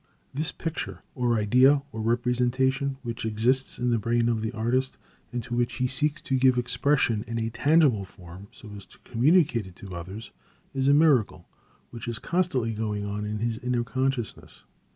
This picture, or idea, or representation, which exists in the brain of the artist, and to which he seeks to give expression in a tangible form so as to communicate it to others, is a miracle which is constantly going on in his inner consciousness.